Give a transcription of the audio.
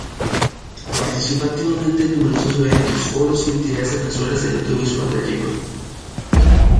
Participa activamente en numerosos eventos, foros y entidades defensoras del audiovisual gallego.